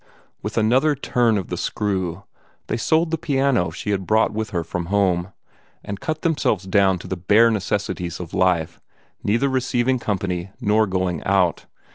With another turn of the screw, they sold the piano she had brought with her from home, and cut themselves down to the bare necessities of life, neither receiving company nor going out.